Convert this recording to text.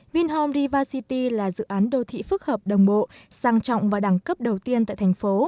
vinhome river city là dự án đô thị phức hợp đồng bộ sàng trọng và đẳng cấp đầu tiên tại thành phố